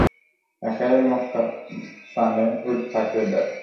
একাই মক্কাপানে উট হাঁকিয়ে দেয়।